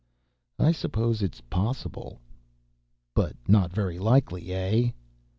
"I suppose it's possible." "But not very likely, eh?"